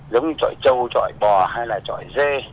giống như chọi châu chọi bò hay là chọi dê